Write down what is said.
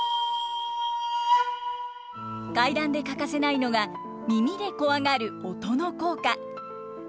怪談で欠かせないのが耳でコワがる音の効果。